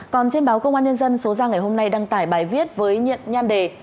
còn trên báo công an nhân dân số ra ngày hôm nay đăng tải bài viết với nhan đề